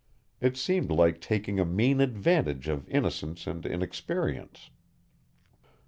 It seemed like taking a mean advantage of innocence and inexperience.